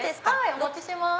お持ちします。